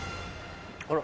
あら？